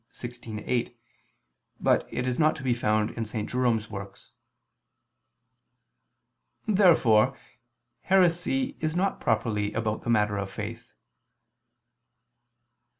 16, A. 8, but it is not to be found in St. Jerome's works.] Therefore heresy is not properly about the matter of faith.